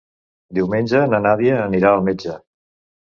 Diumenge na Nàdia anirà al metge.